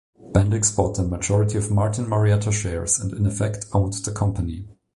Bendix bought the majority of Martin Marietta shares and in effect owned the company.